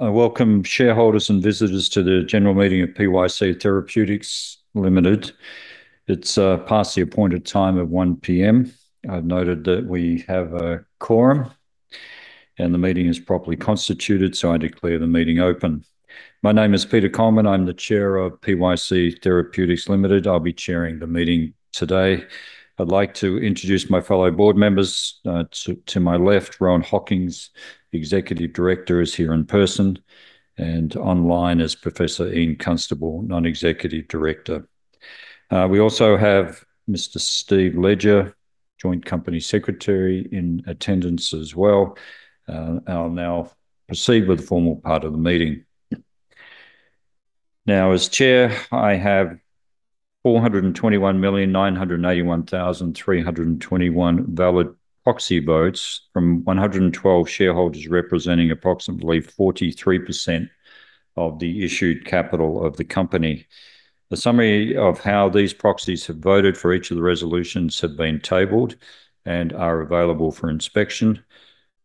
I welcome shareholders and visitors to the general meeting of PYC Therapeutics Limited. It's past the appointed time of 1:00 P.M. I've noted that we have a quorum, and the meeting is properly constituted. I declare the meeting open. My name is Peter Coleman. I'm the Chair of PYC Therapeutics Limited. I'll be chairing the meeting today. I'd like to introduce my fellow board members. To my left, Rohan Hockings, the Executive Director, is here in person, and online is Professor Ian Constable, Non-Executive Director. We also have Mr. Stephen Ledger, Joint Company Secretary, in attendance as well. I'll proceed with the formal part of the meeting. As Chair, I have 421,981,321 valid proxy votes from 112 shareholders, representing approximately 43% of the issued capital of the company. The summary of how these proxies have voted for each of the resolutions have been tabled and are available for inspection.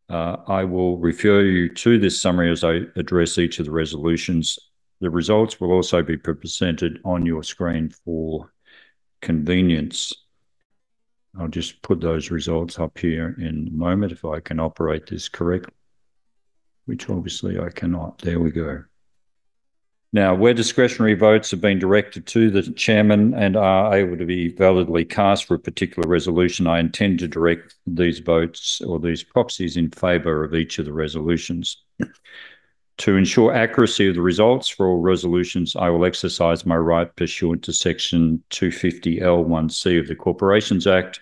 I will refer you to this summary as I address each of the resolutions. The results will also be presented on your screen for convenience. I'll put those results up here in a moment if I can operate this correctly, which obviously I cannot. There we go. Where discretionary votes have been directed to the Chairman and are able to be validly cast for a particular resolution, I intend to direct these votes or these proxies in favor of each of the resolutions. To ensure accuracy of the results for all resolutions, I will exercise my right pursuant to Section 250L(1)(c) of the Corporations Act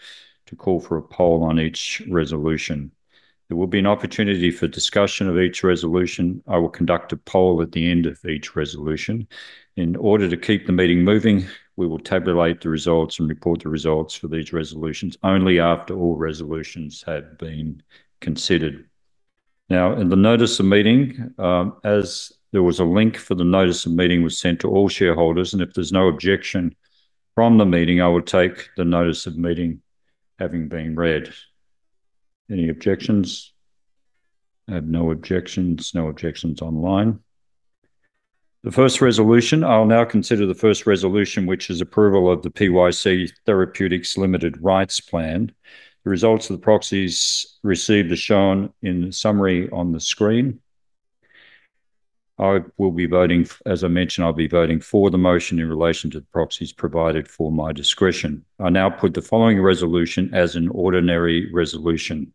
2001 to call for a poll on each resolution. There will be an opportunity for discussion of each resolution. I will conduct a poll at the end of each resolution. In order to keep the meeting moving, we will tabulate the results and report the results for these resolutions only after all resolutions have been considered. In the notice of meeting, as there was a link for the notice of meeting was sent to all shareholders, if there's no objection from the meeting, I would take the notice of meeting having been read. Any objections? I have no objections. No objections online. The first resolution. I'll consider the first resolution, which is approval of the PYC Therapeutics Limited Rights Plan. The results of the proxies received are shown in summary on the screen. As I mentioned, I'll be voting for the motion in relation to the proxies provided for my discretion. I put the following resolution as an ordinary resolution.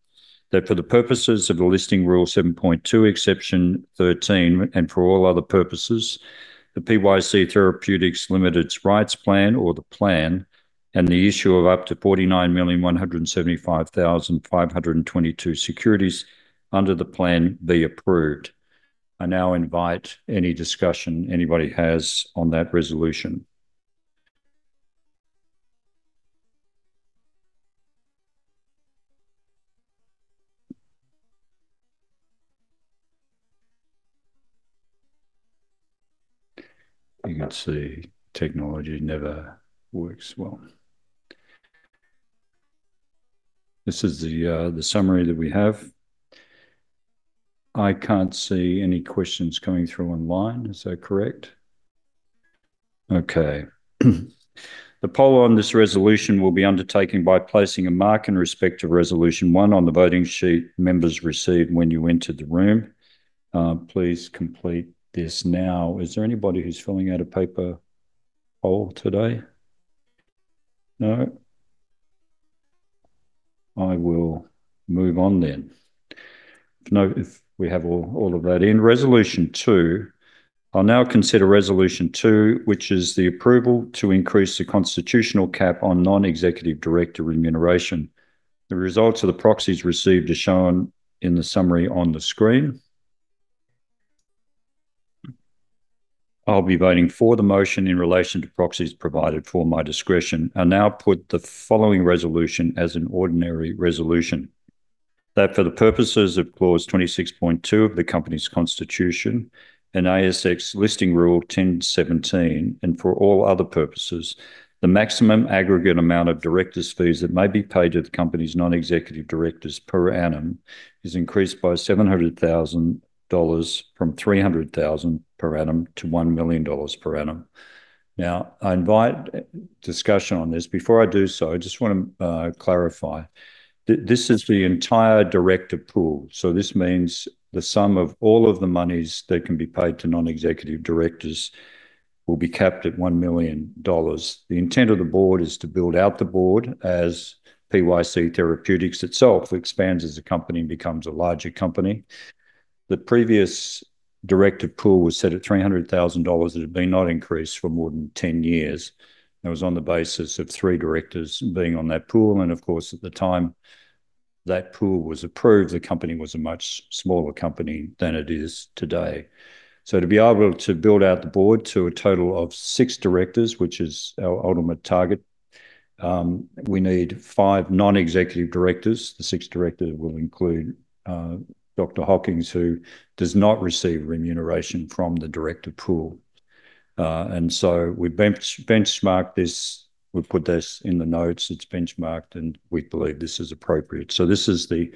That for the purposes of Listing Rule 7.2, Exception 13, and for all other purposes, the PYC Therapeutics Limited Rights Plan, or the plan, and the issue of up to 49,175,522 securities under the plan be approved. I invite any discussion anybody has on that resolution. You can see technology never works well. This is the summary that we have. I can't see any questions coming through online. Is that correct? Okay. The poll on this resolution will be undertaken by placing a mark in respect to Resolution 1 on the voting sheet members received when you entered the room. Please complete this now. Is there anybody who's filling out a paper poll today? No. I will move on. If we have all of that in. Resolution 2. I'll consider Resolution 2, which is the approval to increase the constitutional cap on Non-Executive Director remuneration. The results of the proxies received are shown in the summary on the screen. I'll be voting for the motion in relation to proxies provided for my discretion. I now put the following resolution as an ordinary resolution. That for the purposes of Clause 26.2 of the company's constitution and ASX Listing Rule 10.17, and for all other purposes, the maximum aggregate amount of directors' fees that may be paid to the company's non-executive directors per annum is increased by 700,000 dollars, from 300,000 per annum to 1 million dollars per annum. I invite discussion on this. Before I do so, I just want to clarify. This is the entire director pool, so this means the sum of all of the monies that can be paid to non-executive directors will be capped at 1 million dollars. The intent of the board is to build out the board as PYC Therapeutics itself expands as a company and becomes a larger company. The previous director pool was set at 300,000 dollars. It had been not increased for more than 10 years. That was on the basis of three directors being on that pool, and of course, at the time that pool was approved, the company was a much smaller company than it is today. To be able to build out the board to a total of six directors, which is our ultimate target, we need five non-executive directors. The sixth director will include Dr. Hockings, who does not receive remuneration from the director pool. We benchmarked this. We put this in the notes. It's benchmarked, and we believe this is appropriate. This is the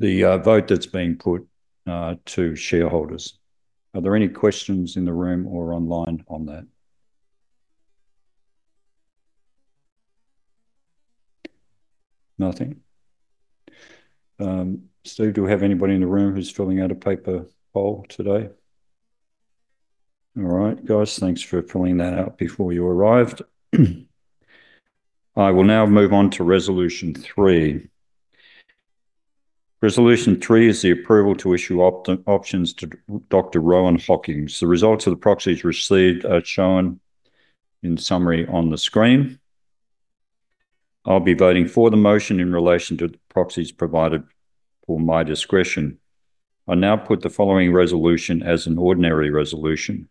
vote that's being put to shareholders. Are there any questions in the room or online on that? Nothing. Steve, do we have anybody in the room who's filling out a paper poll today? All right, guys. Thanks for filling that out before you arrived. I will now move on to Resolution 3. Resolution 3 is the approval to issue options to Dr. Rohan Hockings. The results of the proxies received are shown in summary on the screen. I'll be voting for the motion in relation to the proxies provided for my discretion. I now put the following resolution as an ordinary resolution,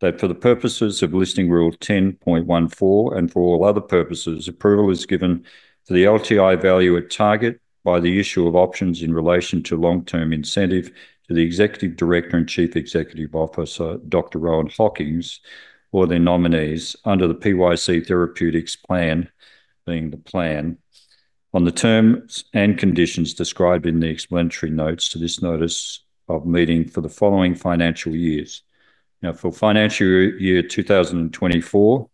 that for the purposes of Listing Rule 10.14 and for all other purposes, approval is given for the LTI value at target by the issue of options in relation to long-term incentive to the Executive Director and Chief Executive Officer, Dr. Rohan Hockings, or their nominees under the PYC Therapeutics plan, being the plan, on the terms and conditions described in the explanatory notes to this notice of meeting for the following financial years. For financial year 2024,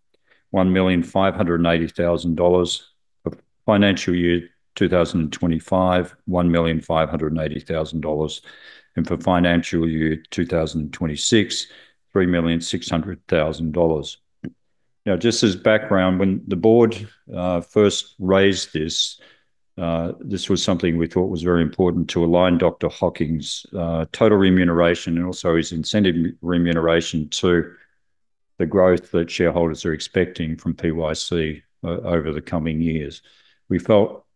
1,580,000 dollars. For financial year 2025, 1,580,000, and for financial year 2026, 3,600,000 dollars. Just as background, when the board first raised this was something we thought was very important to align Dr. Hockings' total remuneration and also his incentive remuneration to the growth that shareholders are expecting from PYC over the coming years. We felt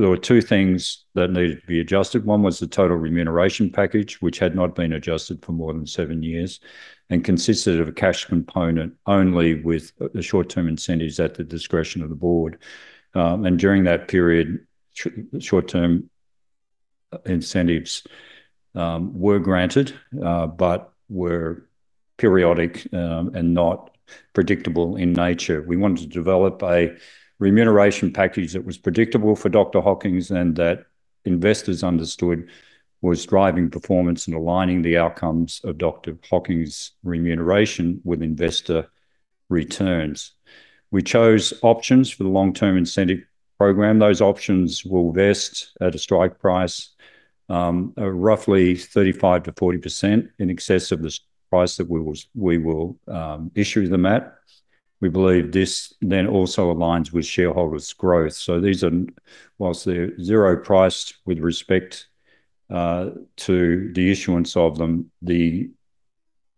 there were two things that needed to be adjusted. One was the total remuneration package, which had not been adjusted for more than seven years, and consisted of a cash component only with the short-term incentives at the discretion of the board. During that period, short-term incentives were granted, but were periodic and not predictable in nature. We wanted to develop a remuneration package that was predictable for Dr. Hockings and that investors understood was driving performance and aligning the outcomes of Dr. Hockings' remuneration with investor returns. We chose options for the long-term incentive program. Those options will vest at a strike price, roughly 35%-40% in excess of the price that we will issue them at. We believe this then also aligns with shareholders' growth. These are, whilst they're zero-priced with respect to the issuance of them, they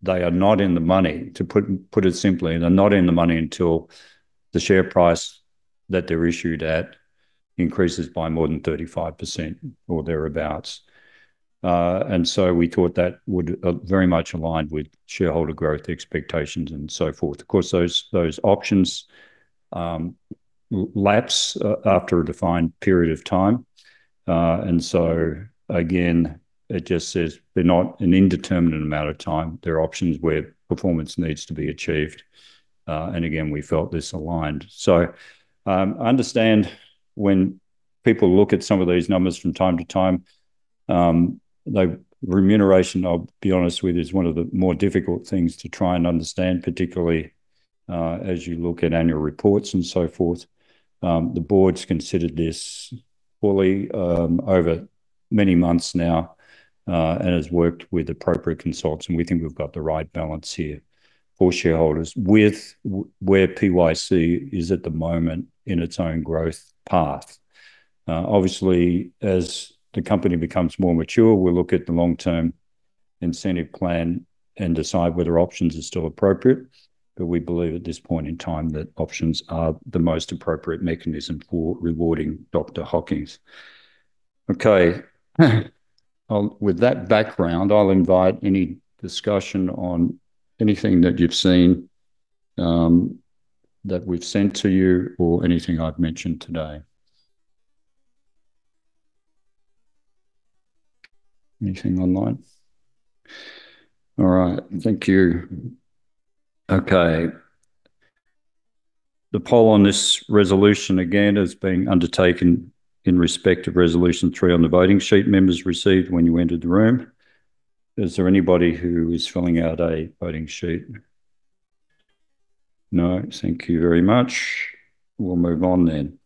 are not in the money. To put it simply, they're not in the money until the share price that they're issued at increases by more than 35% or thereabouts. We thought that would, very much aligned with shareholder growth expectations and so forth. Of course, those options lapse after a defined period of time. Again, it just says they're not an indeterminate amount of time. They're options where performance needs to be achieved. Again, we felt this aligned. I understand when people look at some of these numbers from time to time, remuneration, I'll be honest with you, is one of the more difficult things to try and understand, particularly as you look at annual reports and so forth. The board's considered this fully over many months now, and has worked with appropriate consultants, and we think we've got the right balance here for shareholders with where PYC is at the moment in its own growth path. Obviously, as the company becomes more mature, we'll look at the long-term incentive plan and decide whether options are still appropriate. But we believe at this point in time that options are the most appropriate mechanism for rewarding Dr. Hockings. Okay. With that background, I'll invite any discussion on anything that you've seen, that we've sent to you, or anything I've mentioned today. Anything online? All right. Thank you. Okay. The poll on this resolution, again, is being undertaken in respect of Resolution 3 on the voting sheet members received when you entered the room. Is there anybody who is filling out a voting sheet? No. Thank you very much. We'll move on then.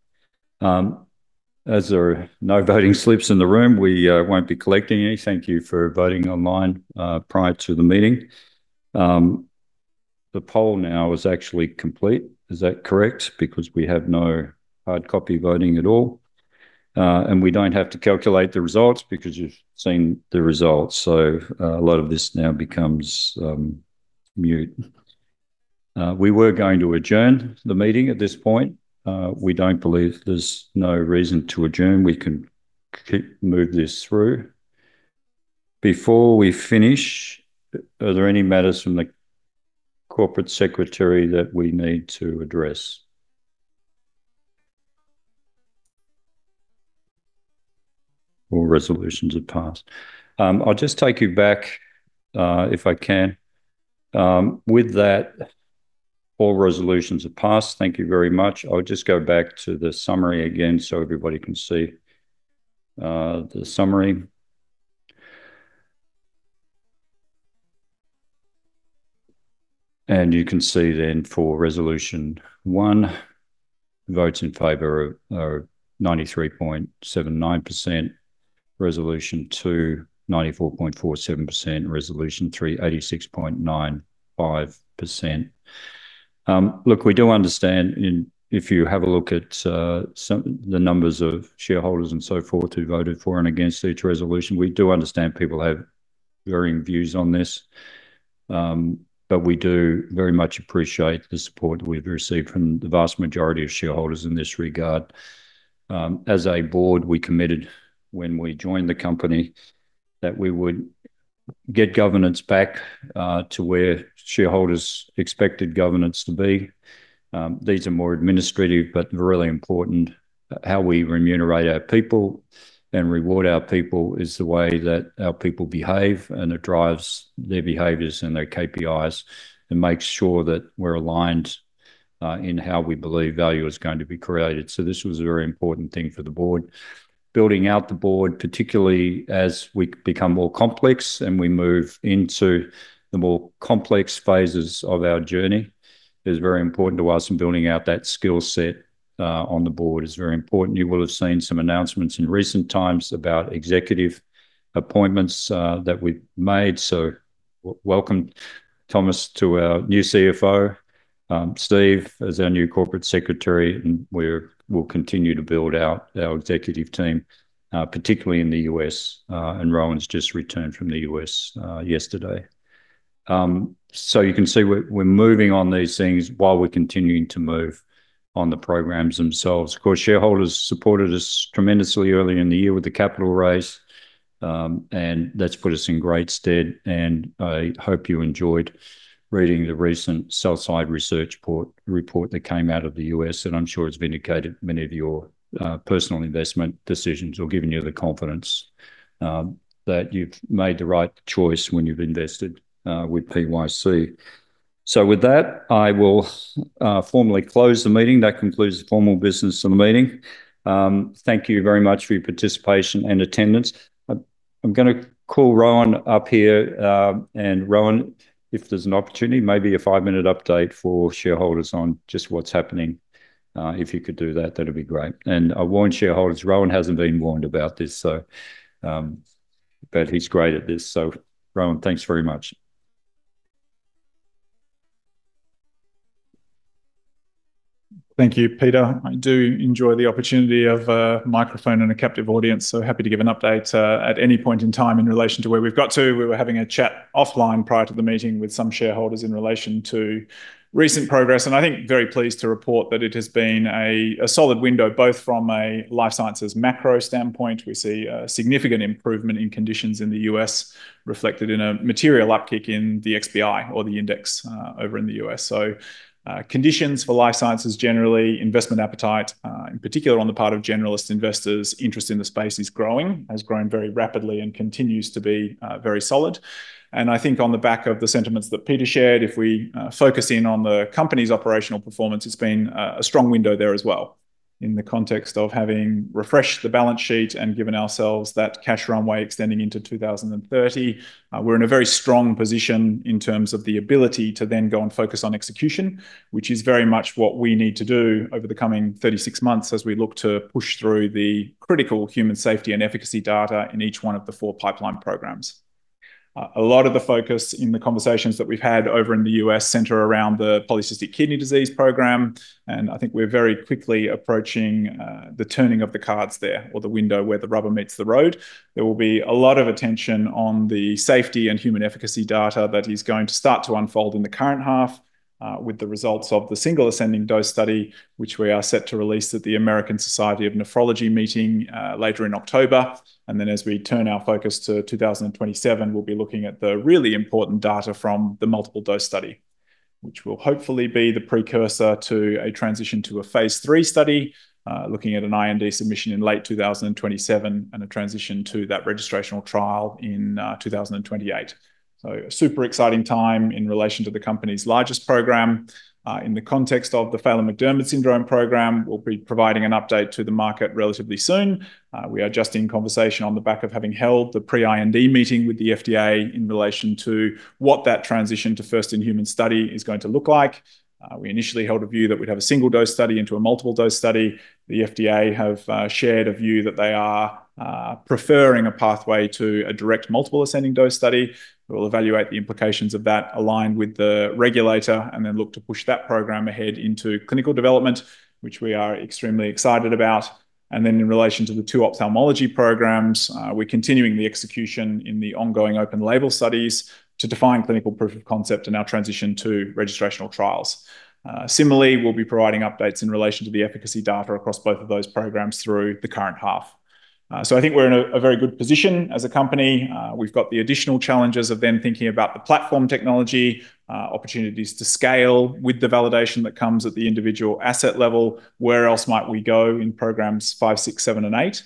As there are no voting slips in the room, we won't be collecting any. Thank you for voting online prior to the meeting. The poll now is actually complete. Is that correct? Because we have no hard copy voting at all. We don't have to calculate the results because you've seen the results. A lot of this now becomes moot. We were going to adjourn the meeting at this point. We don't believe there's no reason to adjourn. We can move this through. Before we finish, are there any matters from the corporate secretary that we need to address? All resolutions are passed. I'll just take you back, if I can. With that, all resolutions are passed. Thank you very much. I'll just go back to the summary again so everybody can see the summary. You can see then for Resolution 1, votes in favor are 93.79%, Resolution 2 94.47%, Resolution 3 86.95%. Look, if you have a look at the numbers of shareholders and so forth who voted for and against each resolution, we do understand people have varying views on this. We do very much appreciate the support we've received from the vast majority of shareholders in this regard. As a board, we committed when we joined the company that we would get governance back to where shareholders expected governance to be. These are more administrative, but really important. How we remunerate our people and reward our people is the way that our people behave, and it drives their behaviors and their KPIs and makes sure that we're aligned in how we believe value is going to be created. This was a very important thing for the board. Building out the board, particularly as we become more complex and we move into the more complex phases of our journey, is very important to us, and building out that skill set on the board is very important. You will have seen some announcements in recent times about executive appointments that we've made. Welcome, Thomas, to our new CFO, Steve as our new Joint Company Secretary, and we'll continue to build out our executive team, particularly in the U.S., and Rohan's just returned from the U.S. yesterday. You can see we're moving on these things while we're continuing to move on the programs themselves. Of course, shareholders supported us tremendously early in the year with the capital raise, and that's put us in great stead. I hope you enjoyed reading the recent sell-side research report that came out of the U.S., and I'm sure it's vindicated many of your personal investment decisions or given you the confidence that you've made the right choice when you've invested with PYC. With that, I will formally close the meeting. That concludes the formal business of the meeting. Thank you very much for your participation and attendance. I'm going to call Rohan up here. Rohan, if there's an opportunity, maybe a five-minute update for shareholders on just what's happening. If you could do that'd be great. I warn shareholders, Rohan hasn't been warned about this, but he's great at this. Rohan, thanks very much. Thank you, Peter. I do enjoy the opportunity of a microphone and a captive audience, so happy to give an update at any point in time in relation to where we've got to. We were having a chat offline prior to the meeting with some shareholders in relation to recent progress, and I think very pleased to report that it has been a solid window, both from a life sciences macro standpoint. We see a significant improvement in conditions in the U.S. reflected in a material uptick in the XBI or the index over in the U.S. Conditions for life sciences generally, investment appetite, in particular on the part of generalist investors, interest in the space is growing, has grown very rapidly and continues to be very solid. I think on the back of the sentiments that Peter shared, if we focus in on the company's operational performance, it's been a strong window there as well in the context of having refreshed the balance sheet and given ourselves that cash runway extending into 2030. We're in a very strong position in terms of the ability to then go and focus on execution, which is very much what we need to do over the coming 36 months as we look to push through the critical human safety and efficacy data in each one of the four pipeline programs. A lot of the focus in the conversations that we've had over in the U.S. center around the polycystic kidney disease program, I think we're very quickly approaching the turning of the cards there or the window where the rubber meets the road. There will be a lot of attention on the safety and human efficacy data that is going to start to unfold in the current half, with the results of the single ascending dose study, which we are set to release at the American Society of Nephrology meeting later in October. As we turn our focus to 2027, we'll be looking at the really important data from the multiple dose study, which will hopefully be the precursor to a transition to a Phase III study, looking at an IND submission in late 2027 and a transition to that registrational trial in 2028. A super exciting time in relation to the company's largest program. In the context of the Phelan-McDermid syndrome program, we'll be providing an update to the market relatively soon. We are just in conversation on the back of having held the pre-IND meeting with the FDA in relation to what that transition to first in human study is going to look like. We initially held a view that we'd have a single dose study into a multiple dose study. The FDA have shared a view that they are preferring a pathway to a direct multiple ascending dose study. We'll evaluate the implications of that aligned with the regulator and then look to push that program ahead into clinical development, which we are extremely excited about. In relation to the two ophthalmology programs, we're continuing the execution in the ongoing open-label studies to define clinical proof of concept and our transition to registrational trials. Similarly, we'll be providing updates in relation to the efficacy data across both of those programs through the current half. I think we're in a very good position as a company. We've got the additional challenges of then thinking about the platform technology, opportunities to scale with the validation that comes at the individual asset level. Where else might we go in programs five, six, seven, and eight?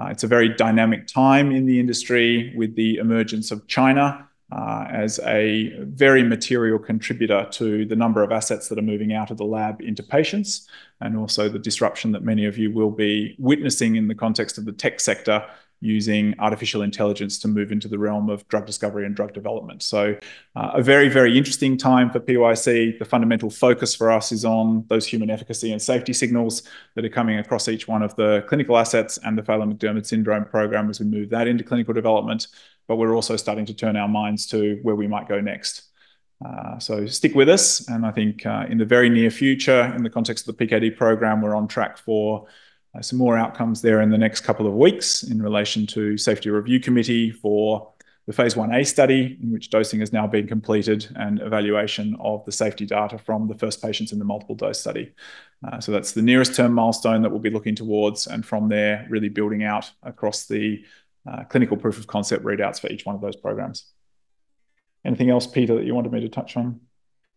It's a very dynamic time in the industry with the emergence of China as a very material contributor to the number of assets that are moving out of the lab into patients, and also the disruption that many of you will be witnessing in the context of the tech sector using artificial intelligence to move into the realm of drug discovery and drug development. A very, very interesting time for PYC. The fundamental focus for us is on those human efficacy and safety signals that are coming across each one of the clinical assets and the Phelan-McDermid syndrome program as we move that into clinical development. We're also starting to turn our minds to where we might go next. Stick with us, and I think in the very near future, in the context of the PKD program, we're on track for some more outcomes there in the next couple of weeks in relation to safety review committee for the phase I-A study, in which dosing has now been completed, and evaluation of the safety data from the first patients in the multiple dose study. That's the nearest term milestone that we'll be looking towards, and from there, really building out across the clinical proof of concept readouts for each one of those programs. Anything else, Peter, that you wanted me to touch on?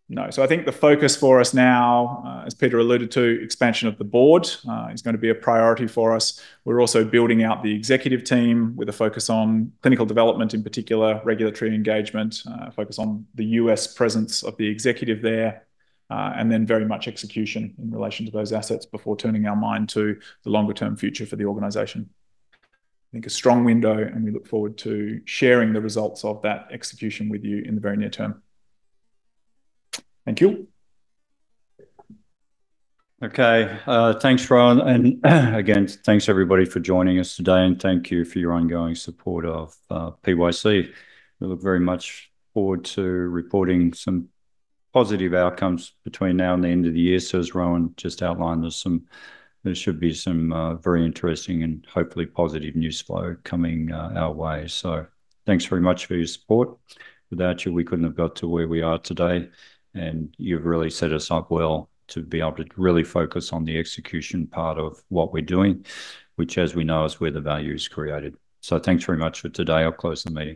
No. I think the focus for us now, as Peter alluded to, expansion of the board is going to be a priority for us. We're also building out the executive team with a focus on clinical development in particular, regulatory engagement, a focus on the U.S. presence of the executive there, and then very much execution in relation to those assets before turning our mind to the longer-term future for the organization. I think a strong window, and we look forward to sharing the results of that execution with you in the very near term. Thank you. Okay. Thanks, Rohan. Again, thanks everybody for joining us today, and thank you for your ongoing support of PYC. We look very much forward to reporting some positive outcomes between now and the end of the year. As Rohan just outlined, there should be some very interesting and hopefully positive news flow coming our way. Thanks very much for your support. Without you, we couldn't have got to where we are today, and you've really set us up well to be able to really focus on the execution part of what we're doing, which as we know, is where the value is created. Thanks very much for today. I'll close the meeting.